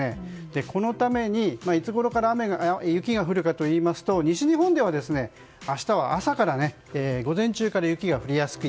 このために、いつごろから雪が降るかといいますと西日本では明日は午前中から雪が降りやすい。